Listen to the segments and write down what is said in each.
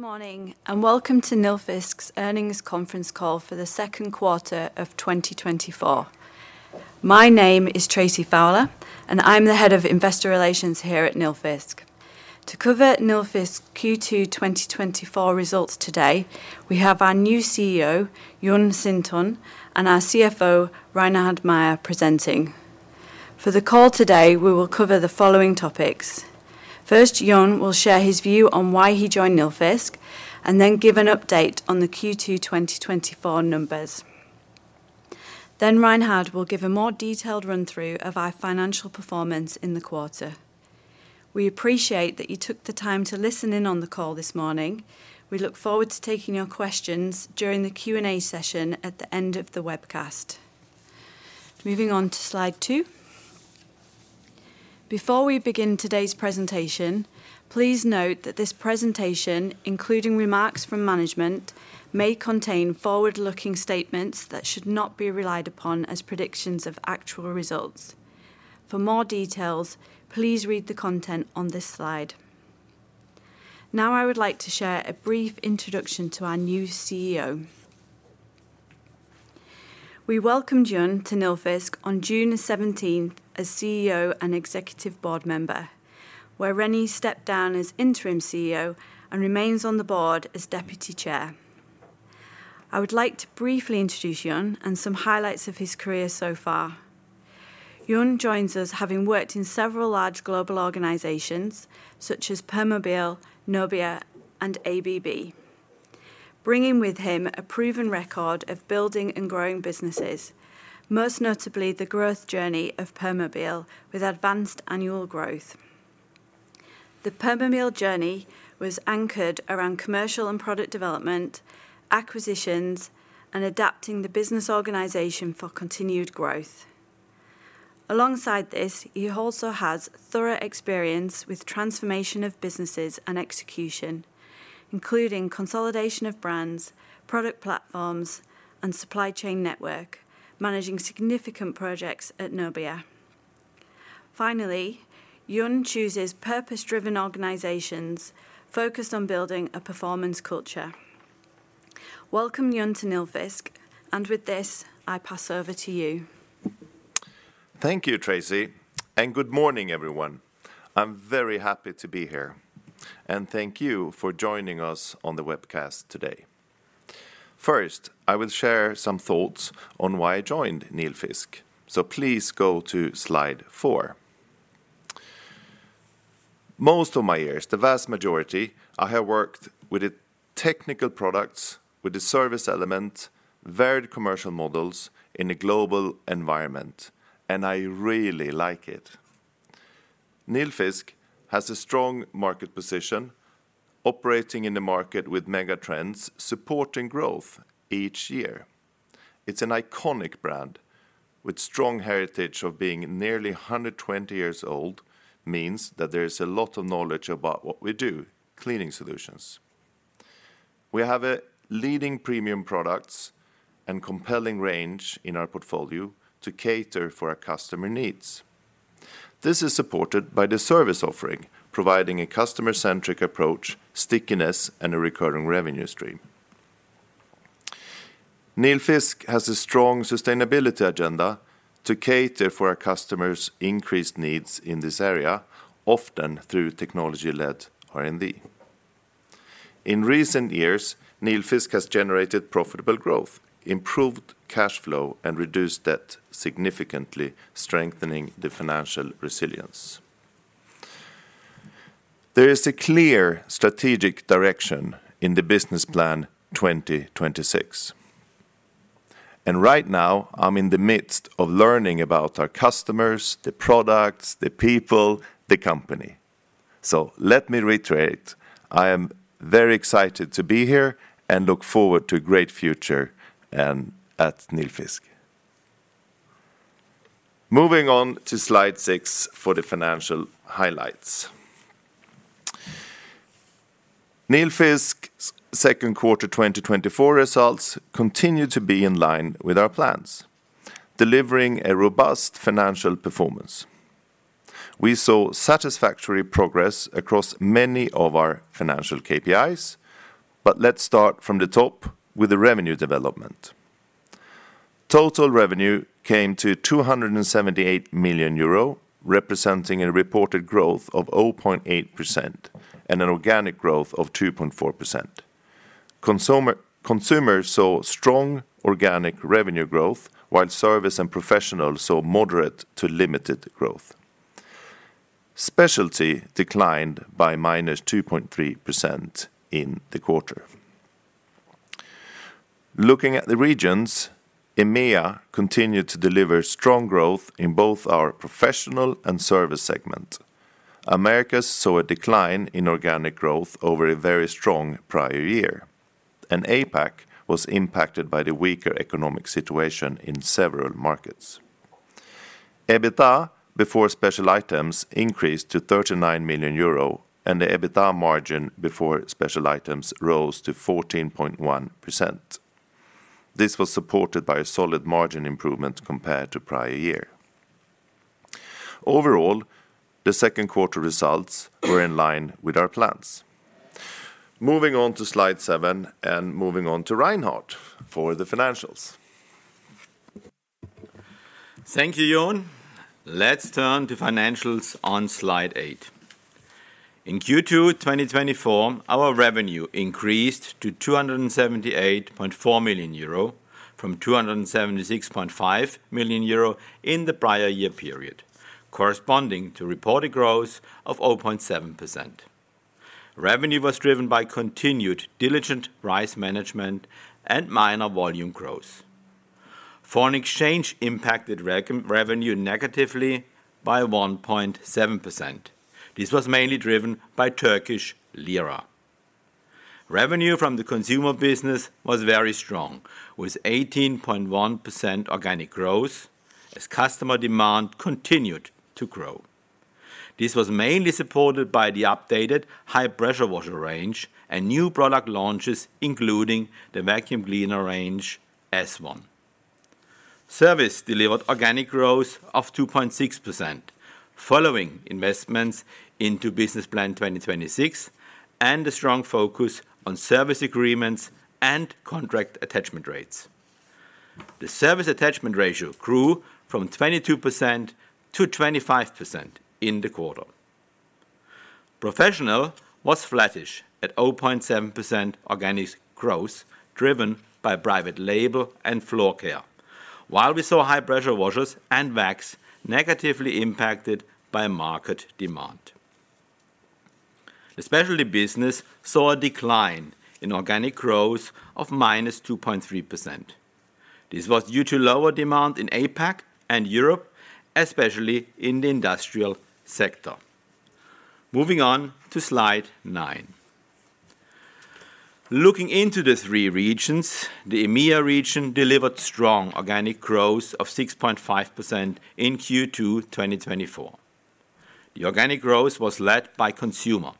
Good morning, and welcome to Nilfisk's Earnings Conference Call for the Q2 of 2024. My name is Tracy Fowler, and I'm the Head of Investor Relations here at Nilfisk. To cover Nilfisk Q2 2024 results today, we have our new CEO, Jon Sintorn, and our CFO, Reinhard Mayer, presenting. For the call today, we will cover the following topics: First, Jon will share his view on why he joined Nilfisk, and then give an update on the Q2 2024 numbers. Then Reinhard will give a more detailed run-through of our financial performance in the quarter. We appreciate that you took the time to listen in on the call this morning. We look forward to taking your questions during the Q&A session at the end of the webcast. Moving on to slide two. Before we begin today's presentation, please note that this presentation, including remarks from management, may contain forward-looking statements that should not be relied upon as predictions of actual results. For more details, please read the content on this slide. Now, I would like to share a brief introduction to our new CEO. We welcomed Jon to Nilfisk on June seventeenth as CEO and Executive Board Member, where René stepped down as Interim CEO and remains on the board as Deputy Chair. I would like to briefly introduce Jon and some highlights of his career so far. Jon joins us, having worked in several large global organizations, such as Permobil, Nobia, and ABB, bringing with him a proven record of building and growing businesses, most notably the growth journey of Permobil with advanced annual growth. The Permobil journey was anchored around commercial and product development, acquisitions, and adapting the business organization for continued growth. Alongside this, he also has thorough experience with transformation of businesses and execution, including consolidation of brands, product platforms, and supply chain network, managing significant projects at Nobia. Finally, Jon chooses purpose-driven organizations focused on building a performance culture. Welcome, Jon, to Nilfisk, and with this, I pass over to you. Thank you, Tracy, and good morning, everyone. I'm very happy to be here, and thank you for joining us on the webcast today. First, I will share some thoughts on why I joined Nilfisk, so please go to Slide four. Most of my years, the vast majority, I have worked with the technical products, with the service element, varied commercial models in a global environment, and I really like it. Nilfisk has a strong market position, operating in the market with mega trends, supporting growth each year. It's an iconic brand with strong heritage of being nearly 120 years old, means that there is a lot of knowledge about what we do, cleaning solutions. We have a leading premium products and compelling range in our portfolio to cater for our customer needs. This is supported by the service offering, providing a customer-centric approach, stickiness, and a recurring revenue stream. Nilfisk has a strong sustainability agenda to cater for our customers' increased needs in this area, often through technology-led R&D. In recent years, Nilfisk has generated profitable growth, improved cash flow, and reduced debt, significantly strengthening the financial resilience. There is a clear strategic direction in the Business Plan 2026, and right now, I'm in the midst of learning about our customers, the products, the people, the company. So let me reiterate, I am very excited to be here and look forward to a great future, at Nilfisk. Moving on to Slide six for the financial highlights. Nilfisk's Q2 2024 results continue to be in line with our plans, delivering a robust financial performance. We saw satisfactory progress across many of our financial KPIs, but let's start from the top with the revenue development. Total revenue came to 278 million euro, representing a reported growth of 0.8% and an organic growth of 2.4%. Consumer, Consumer saw strong organic revenue growth, while service and professional saw moderate to limited growth. Specialty declined by -2.3% in the quarter. Looking at the regions, EMEA continued to deliver strong growth in both our professional and service segment. Americas saw a decline in organic growth over a very strong prior year, and APAC was impacted by the weaker economic situation in several markets. EBITDA, before special items, increased to 39 million euro, and the EBITDA margin before special items rose to 14.1%. This was supported by a solid margin improvement compared to prior year. Overall, the Q2 results were in line with our plans. Moving on to slide seven, and moving on to Reinhard for the financials. Thank you, Jon. Let's turn to financials on slide eight. In Q2 2024, our revenue increased to 278.4 million euro, from 276.5 million euro in the prior year period, corresponding to reported growth of 0.7%. Revenue was driven by continued diligent price management and minor volume growth. Foreign exchange impacted revenue negatively by 1.7%. This was mainly driven by Turkish lira. Revenue from the consumer business was very strong, with 18.1% organic growth as customer demand continued to grow. This was mainly supported by the updated high-pressure washer range and new product launches, including the vacuum cleaner range, S1. Service delivered organic growth of 2.6%, following investments into Business Plan 2026, and a strong focus on service agreements and contract attachment rates. The service attachment ratio grew from 22% to 25% in the quarter. Professional was flattish at 0.7% organic growth, driven by private label and floor care. While we saw high-pressure washers and vacs negatively impacted by market demand. The specialty business saw a decline in organic growth of -2.3%. This was due to lower demand in APAC and Europe, especially in the industrial sector. Moving on to slide nine. Looking into the three regions, the EMEA region delivered strong organic growth of 6.5% in Q2 2024. The organic growth was led by consumer.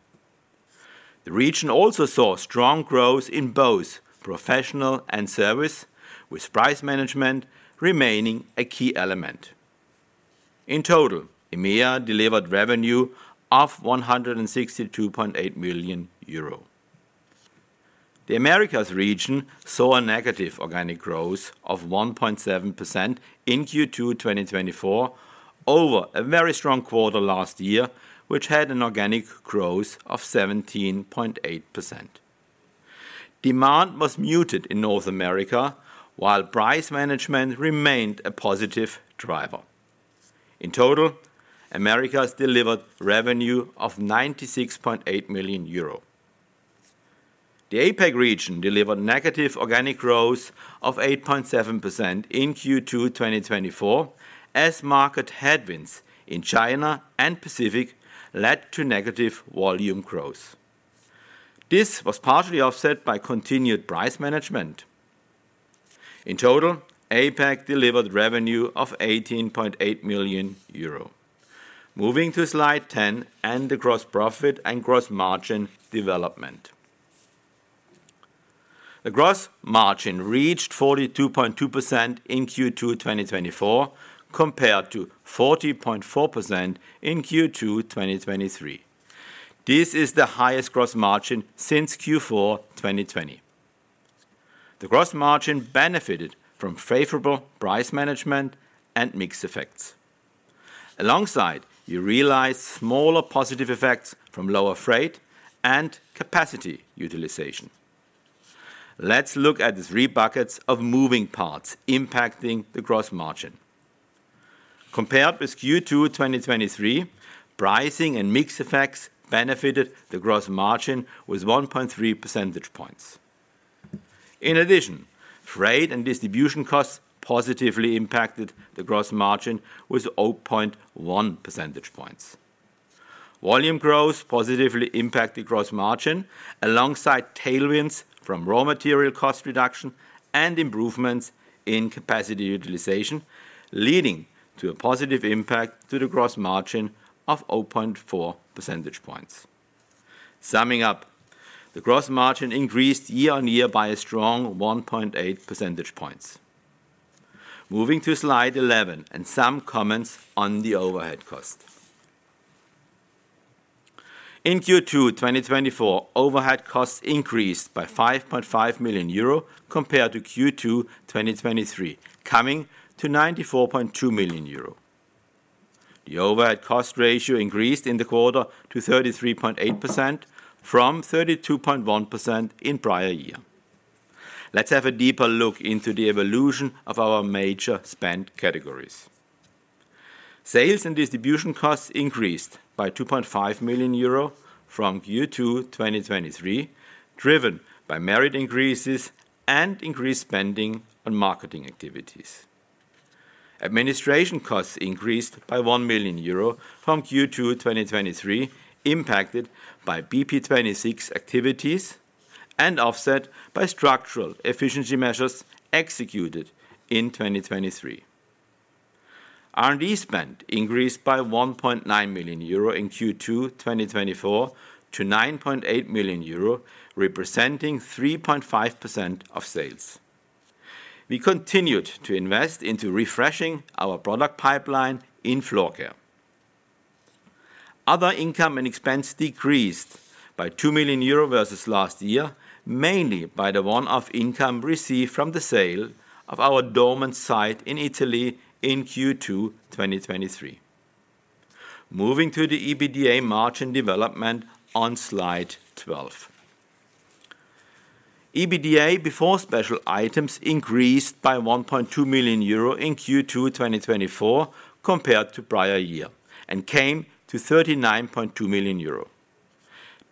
The region also saw strong growth in both professional and service, with price management remaining a key element. In total, EMEA delivered revenue of 162.8 million euro. The Americas region saw a negative organic growth of 1.7% in Q2 2024, over a very strong quarter last year, which had an organic growth of 17.8%. Demand was muted in North America, while price management remained a positive driver. In total, Americas delivered revenue of 96.8 million euro. The APAC region delivered negative organic growth of 8.7% in Q2 2024, as market headwinds in China and Pacific led to negative volume growth. This was partially offset by continued price management. In total, APAC delivered revenue of 18.8 million euro. Moving to slide 10 and the gross profit and gross margin development. The gross margin reached 42.2% in Q2 2024, compared to 40.4% in Q2 2023. This is the highest gross margin since Q4 2020. The gross margin benefited from favorable price management and mix effects. Alongside, you realize smaller positive effects from lower freight and capacity utilization. Let's look at the three buckets of moving parts impacting the gross margin. Compared with Q2 2023, pricing and mix effects benefited the gross margin with 1.3 percentage points. In addition, freight and distribution costs positively impacted the gross margin with 0.1 percentage points. Volume growth positively impacted gross margin, alongside tailwinds from raw material cost reduction and improvements in capacity utilization, leading to a positive impact to the gross margin of 0.4 percentage points. Summing up, the gross margin increased year-on-year by a strong 1.8 percentage points. Moving to slide 11 and some comments on the overhead cost. In Q2 2024, overhead costs increased by 5.5 million euro compared to Q2 2023, coming to 94.2 million euro. The overhead cost ratio increased in the quarter to 33.8% from 32.1% in prior year. Let's have a deeper look into the evolution of our major spend categories. Sales and distribution costs increased by 2.5 million euro from Q2 2023, driven by merit increases and increased spending on marketing activities. Administration costs increased by 1 million euro from Q2 2023, impacted by BP 2026 activities and offset by structural efficiency measures executed in 2023. R&D spend increased by 1.9 million euro in Q2 2024 to 9.8 million euro, representing 3.5% of sales. We continued to invest into refreshing our product pipeline in floor care. Other income and expense decreased by 2 million euro versus last year, mainly by the one-off income received from the sale of our dormant site in Italy in Q2 2023. Moving to the EBITDA margin development on slide 12. EBITDA before special items increased by 1.2 million euro in Q2 2024, compared to prior year, and came to 39.2 million euro.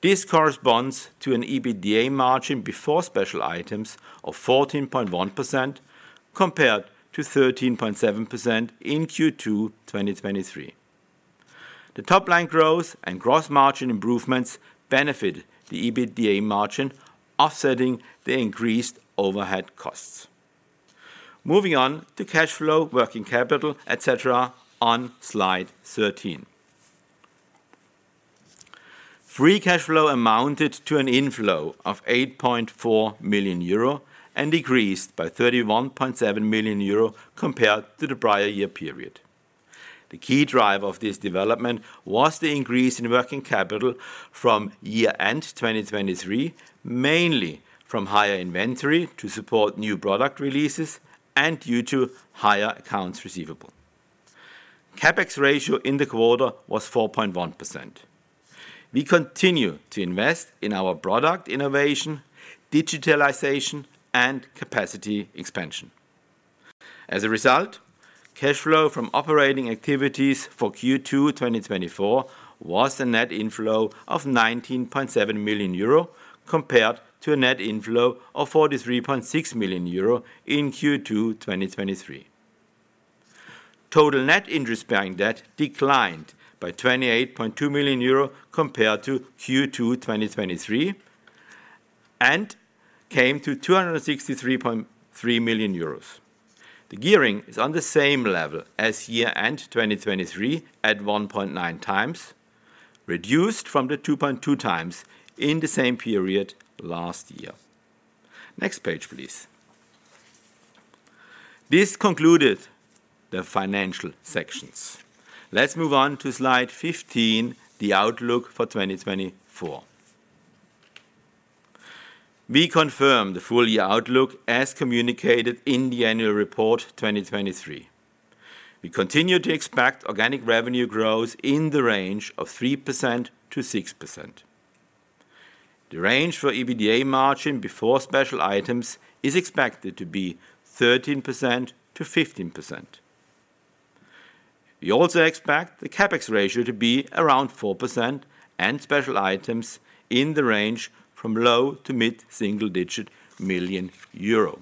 This corresponds to an EBITDA margin before special items of 14.1%, compared to 13.7% in Q2 2023. The top line growth and gross margin improvements benefited the EBITDA margin, offsetting the increased overhead costs. Moving on to cash flow, working capital, et cetera, on slide 13. Free cash flow amounted to an inflow of 8.4 million euro and decreased by 31.7 million euro compared to the prior year period. The key driver of this development was the increase in working capital from year-end 2023, mainly from higher inventory to support new product releases and due to higher accounts receivable. CapEx ratio in the quarter was 4.1%. We continue to invest in our product innovation, digitalization, and capacity expansion. As a result, cash flow from operating activities for Q2 2024 was a net inflow of 19.7 million euro, compared to a net inflow of 43.6 million euro in Q2 2023. Total net interest-bearing debt declined by 28.2 million euro compared to Q2 2023, and came to 263.3 million euros. The gearing is on the same level as year-end 2023, at 1.9 times, reduced from the 2.2 times in the same period last year. Next page, please. This concluded the financial sections. Let's move on to slide 15, the outlook for 2024. We confirm the full year outlook as communicated in the annual report, 2023. We continue to expect organic revenue growth in the range of 3%-6%. The range for EBITDA margin before special items is expected to be 13%-15%. We also expect the CapEx ratio to be around 4% and special items in the range from low- to mid-single-digit million EUR.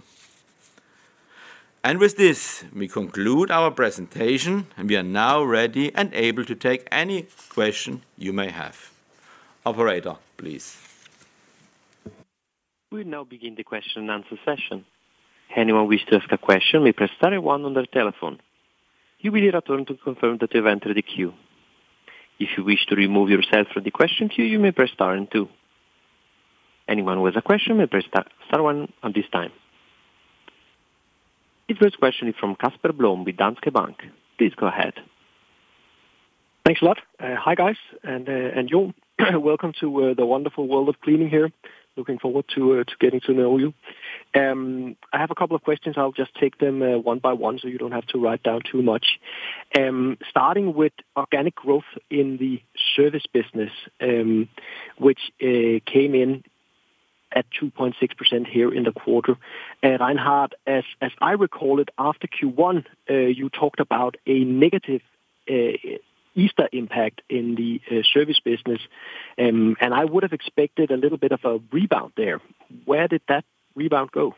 And with this, we conclude our presentation, and we are now ready and able to take any question you may have. Operator, please. We now begin the question and answer session. Anyone who wishes to ask a question may press star and one on their telephone. You will be returned to confirm that you have entered the queue. If you wish to remove yourself from the question queue, you may press star and two. Anyone who has a question may press star, star one at this time. The first question is from Casper Blom with Danske Bank. Please go ahead. Thanks a lot. Hi, guys, and Jon. Welcome to the wonderful world of cleaning here. Looking forward to getting to know you. I have a couple of questions. I'll just take them one by one, so you don't have to write down too much. Starting with organic growth in the service business, which came in at 2.6% here in the quarter. And Reinhard, as I recall it, after Q1, you talked about a negative Easter impact in the service business, and I would have expected a little bit of a rebound there. Where did that rebound go?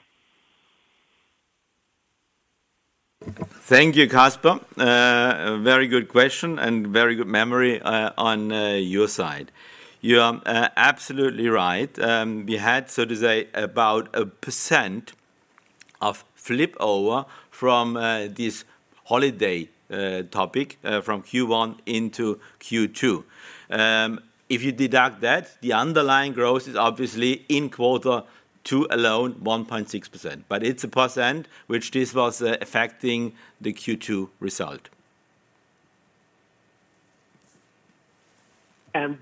Thank you, Casper. A very good question and very good memory on your side. You are absolutely right. We had, so to say, about 1% of flip over from this holiday topic from Q1 into Q2. If you deduct that, the underlying growth is obviously in quarter two alone, 1.6%, but it's 1% which this was affecting the Q2 result.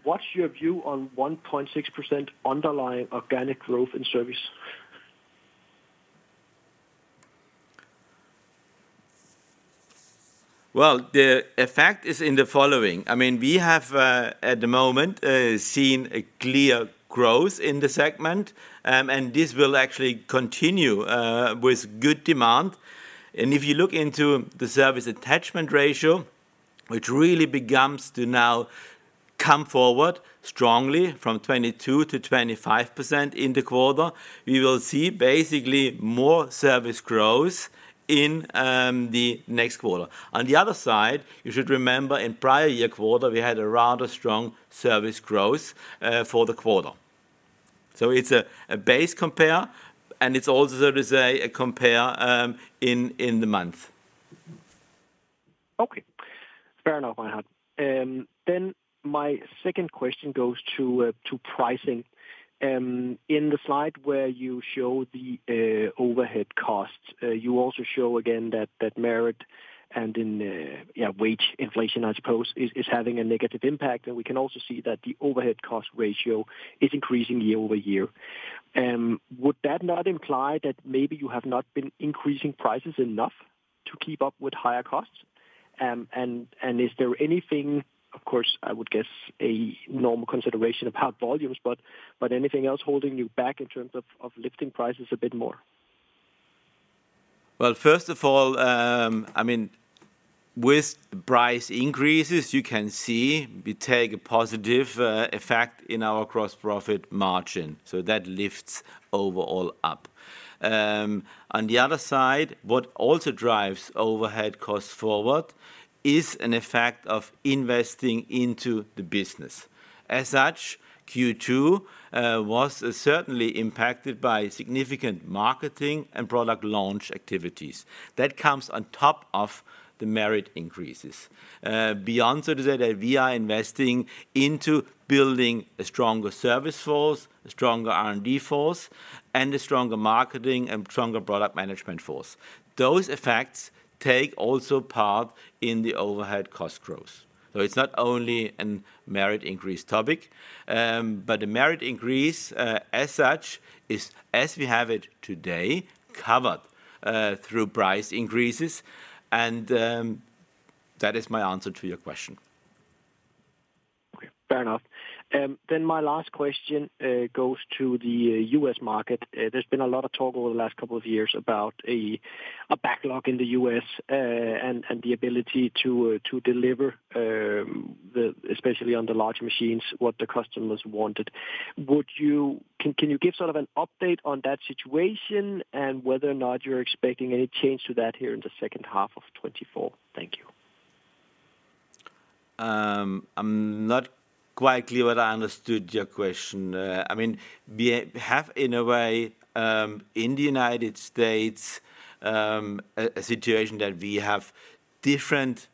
What's your view on 1.6% underlying organic growth in service? Well, the effect is in the following: I mean, we have, at the moment, seen a clear growth in the segment, and this will actually continue with good demand. And if you look into the service attachment ratio, which really begins to now come forward strongly from 22%-25% in the quarter, we will see basically more service growth in the next quarter. On the other side, you should remember in prior year quarter, we had a rather strong service growth for the quarter. So it's a base compare, and it's also, to say, a compare in the month.... Okay, fair enough, Reinhard. Then my second question goes to pricing. In the slide where you show the overhead costs, you also show again that merit and wage inflation, I suppose, is having a negative impact. And we can also see that the overhead cost ratio is increasing year-over-year. Would that not imply that maybe you have not been increasing prices enough to keep up with higher costs? And is there anything, of course, I would guess a normal consideration about volumes, but anything else holding you back in terms of lifting prices a bit more? Well, first of all, I mean, with price increases, you can see we take a positive effect in our gross profit margin, so that lifts overall up. On the other side, what also drives overhead costs forward is an effect of investing into the business. As such, Q2 was certainly impacted by significant marketing and product launch activities. That comes on top of the merit increases. Beyond so that, we are investing into building a stronger service force, a stronger R&D force, and a stronger marketing and stronger product management force. Those effects take also part in the overhead cost growth. So it's not only a merit increase topic, but the merit increase as such is, as we have it today, covered through price increases, and that is my answer to your question. Okay, fair enough. Then my last question goes to the U.S. market. There's been a lot of talk over the last couple of years about a backlog in the U.S., and the ability to deliver, especially on the large machines, what the customers wanted. Can you give sort of an update on that situation and whether or not you're expecting any change to that here in the second half of 2024? Thank you. I'm not quite clear what I understood your question. I mean, we have, in a way, in the United States, a situation that we have different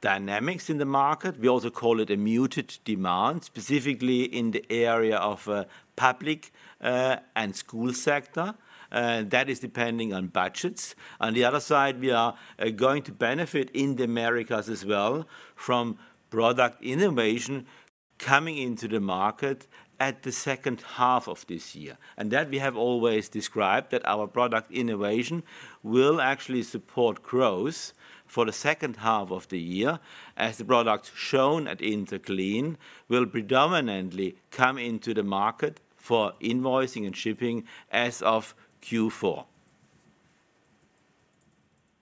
dynamics in the market. We also call it a muted demand, specifically in the area of public and school sector. That is depending on budgets. On the other side, we are going to benefit in the Americas as well from product innovation coming into the market at the second half of this year. And that we have always described, that our product innovation will actually support growth for the second half of the year, as the products shown at Interclean will predominantly come into the market for invoicing and shipping as of Q4.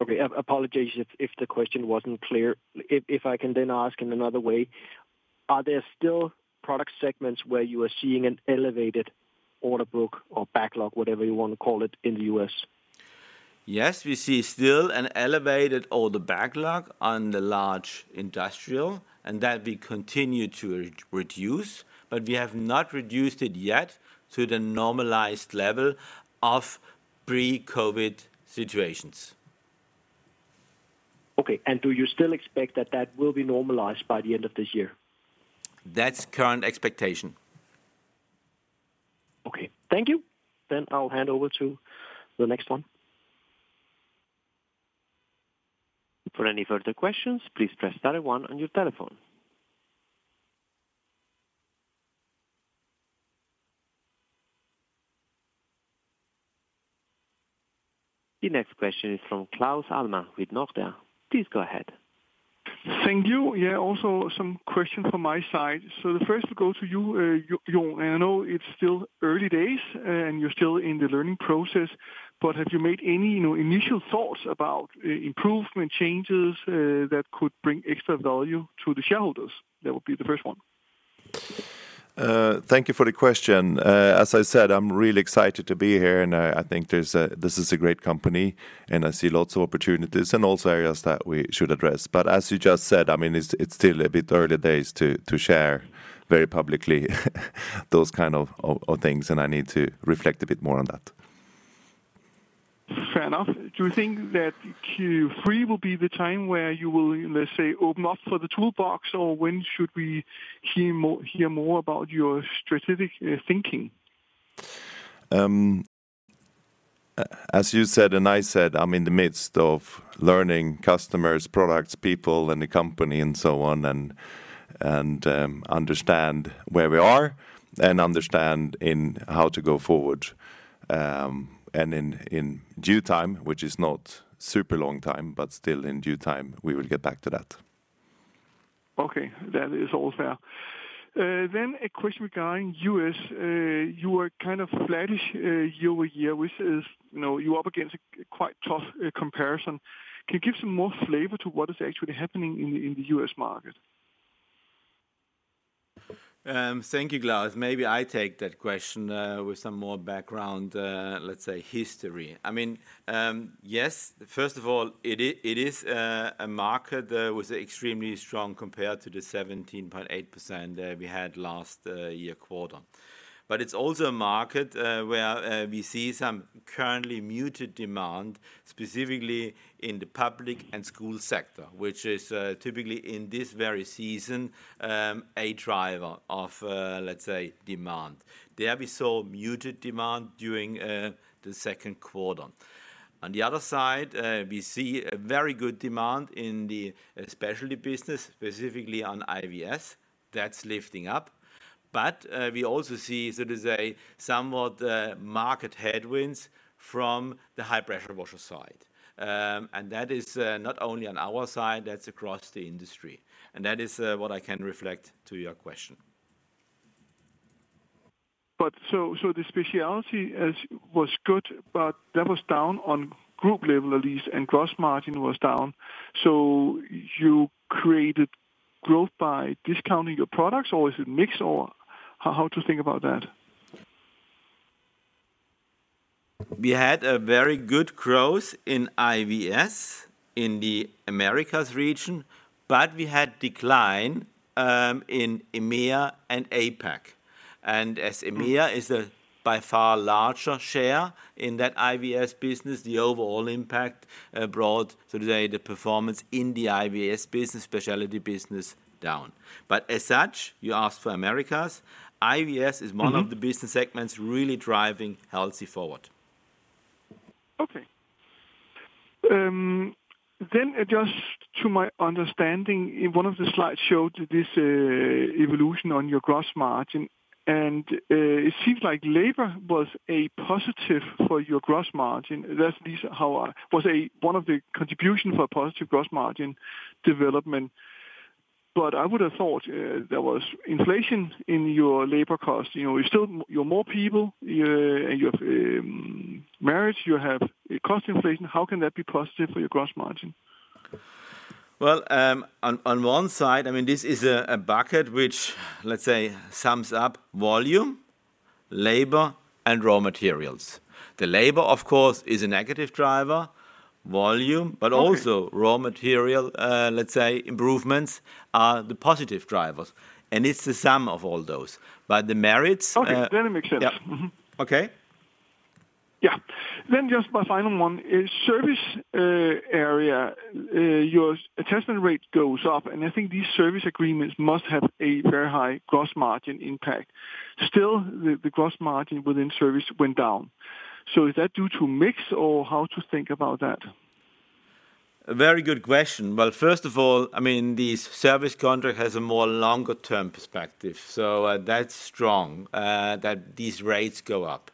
Okay. Apologies if, if the question wasn't clear. If, if I can then ask in another way, are there still product segments where you are seeing an elevated order book or backlog, whatever you want to call it, in the US? Yes, we see still an elevated order backlog on the large industrial, and that we continue to reduce, but we have not reduced it yet to the normalized level of pre-COVID situations. Okay. And do you still expect that that will be normalized by the end of this year? That's current expectation. Okay. Thank you. Then I'll hand over to the next one. For any further questions, please press star one on your telephone. The next question is from Claus Almer with Nordea. Please go ahead. Thank you. Yeah, also some questions from my side. The first to go to you, Jon. I know it's still early days, and you're still in the learning process, but have you made any, you know, initial thoughts about improvement changes, that could bring extra value to the shareholders? That would be the first one. Thank you for the question. As I said, I'm really excited to be here, and I think this is a great company, and I see lots of opportunities and also areas that we should address. But as you just said, I mean, it's still a bit early days to share very publicly those kind of things, and I need to reflect a bit more on that. Fair enough. Do you think that Q3 will be the time where you will, let's say, open up for the toolbox, or when should we hear more, hear more about your strategic thinking? As you said, and I said, I'm in the midst of learning customers, products, people, and the company, and so on, and, and understand where we are and understand in how to go forward. And in, in due time, which is not super long time, but still in due time, we will get back to that. Okay. That is all fair. Then a question regarding U.S. You were kind of flattish, year-over-year, which is, you know, you're up against a quite tough comparison. Can you give some more flavor to what is actually happening in the U.S. market? Thank you, Claus. Maybe I take that question with some more background, let's say, history. I mean, yes, first of all, it is a market that was extremely strong compared to the 17.8% we had last year quarter. But it's also a market where we see currently muted demand, specifically in the public and school sector, which is typically in this very season a driver of, let's say, demand. There we saw muted demand during the Q2. On the other side, we see a very good demand in the specialty business, specifically on IVS. That's lifting up. But we also see, so to say, somewhat market headwinds from the high-pressure washer side. That is not only on our side, that's across the industry, and that is what I can reflect to your question. But the specialty was good, but that was down on group level at least, and gross margin was down. So you created growth by discounting your products, or is it mix, or how to think about that? We had a very good growth in IVS in the Americas region, but we had decline in EMEA and APAC. And as EMEA is a by far larger share in that IVS business, the overall impact brought so today the performance in the IVS business, specialty business, down. But as such, you asked for Americas. IVS is one- Mm-hmm... of the business segments really driving Hilti forward. Okay. Then just to my understanding, in one of the slides showed this evolution on your gross margin, and it seems like labor was a positive for your gross margin. That's at least how I-- it was a one of the contributions for positive gross margin development. But I would have thought, there was inflation in your labor cost. You know, you're still, you have more people, and you have wages, you have cost inflation. How can that be positive for your gross margin? Well, on one side, I mean, this is a bucket which, let's say, sums up volume, labor, and raw materials. The labor, of course, is a negative driver, volume- Okay... but also raw material, let's say, improvements, are the positive drivers, and it's the sum of all those. But the merits- Okay, that makes sense. Yeah. Mm-hmm. Okay? Yeah. Then just my final one. In service area, your attachment rate goes up, and I think these service agreements must have a very high gross margin impact. Still, the gross margin within service went down. So is that due to mix or how to think about that? A very good question. Well, first of all, I mean, the service contract has a more longer term perspective, so, that's strong, that these rates go up.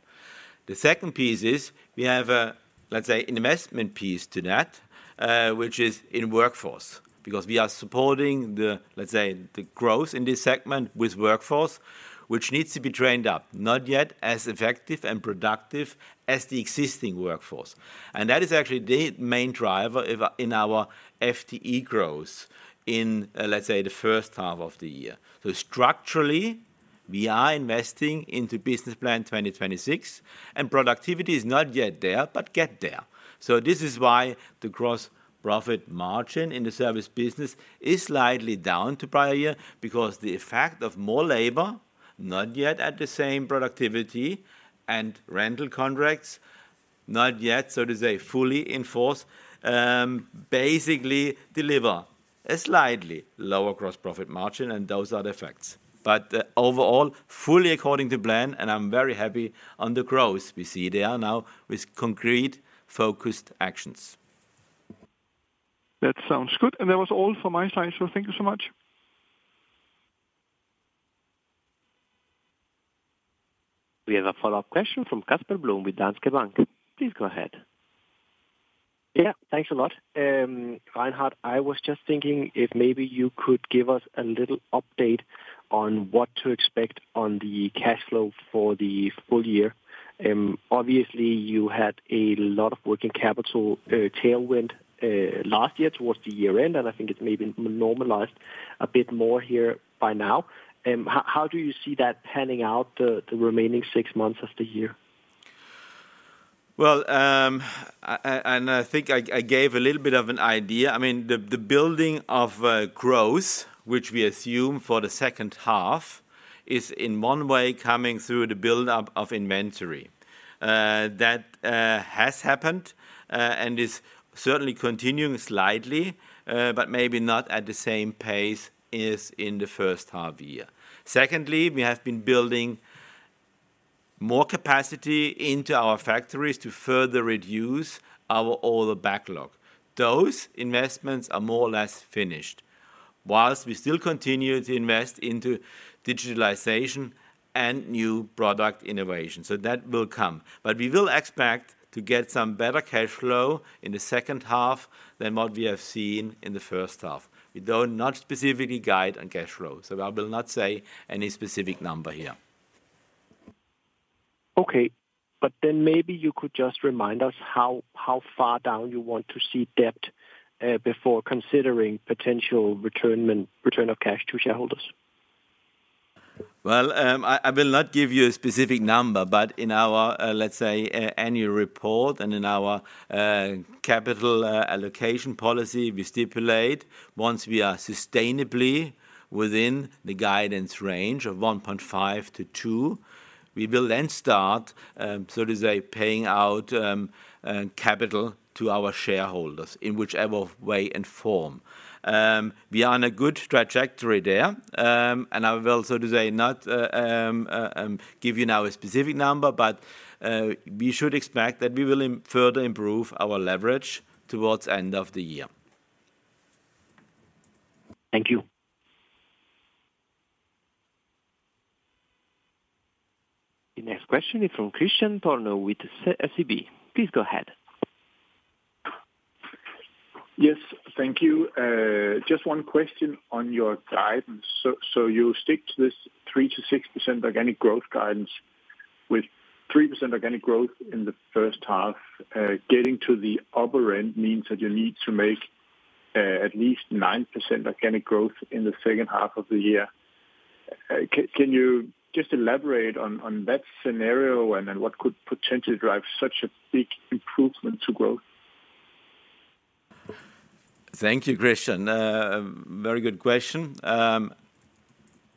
The second piece is, we have a, let's say, an investment piece to that, which is in workforce, because we are supporting the, let's say, the growth in this segment with workforce, which needs to be trained up. Not yet as effective and productive as the existing workforce. And that is actually the main driver of our in our FTE growth in, let's say, the first half of the year. So structurally, we are investing into Business Plan 2026, and productivity is not yet there, but get there. So this is why the gross profit margin in the service business is slightly down to prior year, because the effect of more labor, not yet at the same productivity, and rental contracts, not yet, so to say, fully in force, basically deliver a slightly lower gross profit margin, and those are the effects. But overall, fully according to plan, and I'm very happy on the growth we see there now with concrete, focused actions. That sounds good. And that was all for my side. So thank you so much. We have a follow-up question from Casper Blom with Danske Bank. Please go ahead. Yeah, thanks a lot. Reinhard, I was just thinking if maybe you could give us a little update on what to expect on the cash flow for the full year. Obviously, you had a lot of working capital tailwind last year towards the year end, and I think it's maybe normalized a bit more here by now. How do you see that panning out the remaining six months of the year? Well, and I think I gave a little bit of an idea. I mean, the building of growth, which we assume for the second half, is in one way coming through the buildup of inventory. That has happened and is certainly continuing slightly, but maybe not at the same pace as in the first half year. Secondly, we have been building more capacity into our factories to further reduce our order backlog. Those investments are more or less finished, whilst we still continue to invest into digitalization and new product innovation. So that will come. But we will expect to get some better cash flow in the second half than what we have seen in the first half. We do not specifically guide on cash flow, so I will not say any specific number here. Okay, but then maybe you could just remind us how, how far down you want to see debt before considering potential return of cash to shareholders? Well, I will not give you a specific number, but in our, let's say, annual report and in our capital allocation policy, we stipulate once we are sustainably within the guidance range of 1.5-2, we will then start, so to say, paying out capital to our shareholders in whichever way and form. We are on a good trajectory there. I will, so to say, not give you now a specific number, but we should expect that we will further improve our leverage towards end of the year. Thank you. The next question is from Kristian Tornøe with SEB. Please go ahead. Yes, thank you. Just one question on your guidance. So, so you stick to this 3%-6% organic growth guidance with 3% organic growth in the first half. Getting to the upper end means that you need to make at least 9% organic growth in the second half of the year. Can you just elaborate on, on that scenario, and then what could potentially drive such a big improvement to growth? Thank you, Kristian. Very good question. On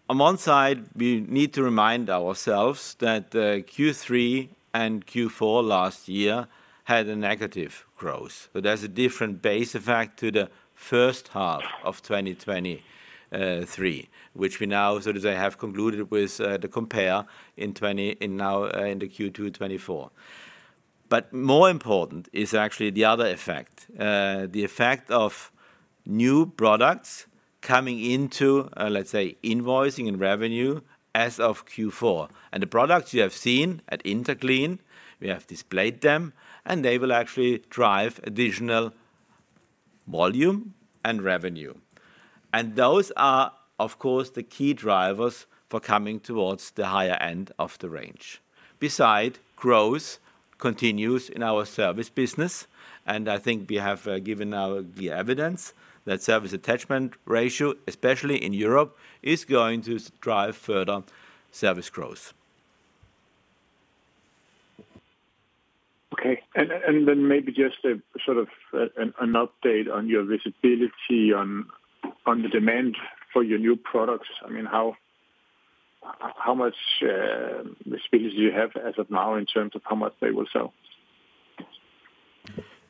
one side, we need to remind ourselves that Q3 and Q4 last year had a negative growth. So there's a different base effect to the first half of 2023, which we now, so to say, have concluded with the comparable in 2024 now in the Q2 2024. But more important is actually the other effect. The effect of new products coming into, let's say, invoicing and revenue as of Q4. And the products you have seen at Interclean, we have displayed them, and they will actually drive additional volume and revenue. And those are, of course, the key drivers for coming towards the higher end of the range. Besides, growth continues in our service business, and I think we have given now the evidence that service attachment ratio, especially in Europe, is going to drive further service growth. Okay. And then maybe just a sort of an update on your visibility on the demand for your new products. I mean, how much visibility do you have as of now in terms of how much they will sell?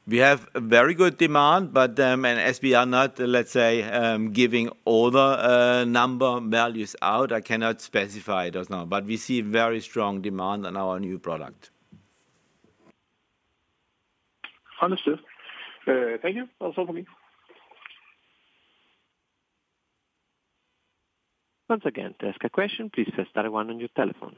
We have very good demand, but and as we are not, let's say, giving all the number values out, I cannot specify it as now. But we see very strong demand on our new product. Understood. Thank you. That's all for me. Once again, to ask a question, please press star one on your telephone.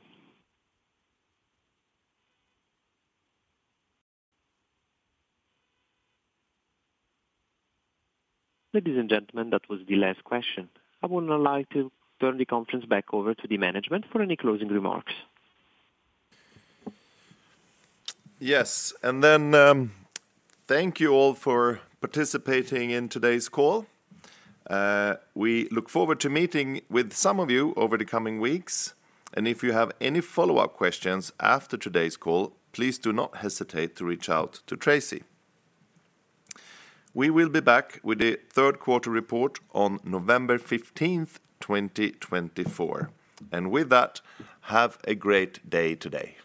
Ladies and gentlemen, that was the last question. I would now like to turn the conference back over to the management for any closing remarks. Yes, and then, thank you all for participating in today's call. We look forward to meeting with some of you over the coming weeks, and if you have any follow-up questions after today's call, please do not hesitate to reach out to Tracy. We will be back with the Q3 report on November 15, 2024. And with that, have a great day today.